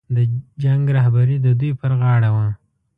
د جنګ رهبري د دوی پر غاړه وه.